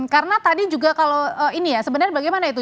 karena tadi juga kalau ini ya sebenarnya bagaimana itu